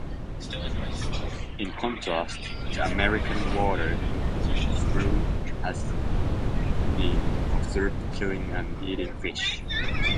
In contrast, the American water shrew has been observed killing and eating fish.